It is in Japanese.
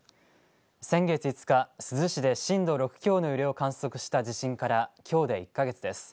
先月５日珠洲市で震度６強の揺れを観測した地震からきょうで１か月です。